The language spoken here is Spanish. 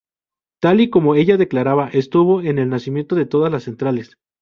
Tal y como ella declaraba, estuvo en el nacimiento de todas las centrales.